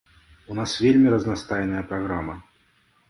У нас вельмі разнастайная праграма.